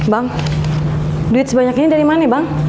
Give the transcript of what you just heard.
bang duit sebanyak ini dari mana bang